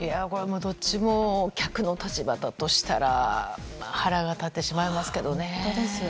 どっちも客の立場だとしたら腹が立ってしまいますけどね。